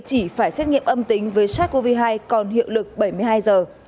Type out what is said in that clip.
chỉ phải xét nghiệm âm tính với sars cov hai còn hiệu lực bảy mươi hai giờ